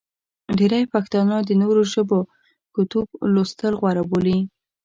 ډېری پښتانه د نورو ژبو کتب لوستل غوره بولي.